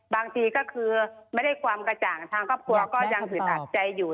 บางทีก็คือไม่ได้ความกระจ่างทางครอบครัวก็ยังอึดอัดใจอยู่